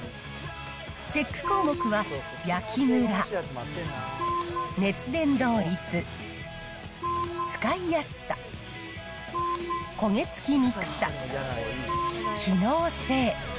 チェック項目は、焼きむら、熱伝導率、使いやすさ、焦げ付きにくさ、機能性。